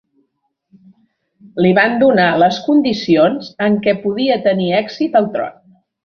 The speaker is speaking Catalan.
Li van donar les condicions en què podia tenir èxit al tron.